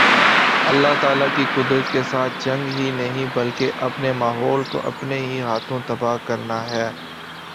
اللہ تعالی کی قدرت کے ساتھ جنگ ہی نہیں بلکہ اپنے ماحول کو اپنے ہی ہاتھوں تباہ کرنا ہے